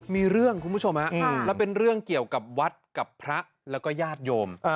มีเรื่องคุณผู้ชมฮะแล้วเป็นเรื่องเกี่ยวกับวัดกับพระแล้วก็ญาติโยม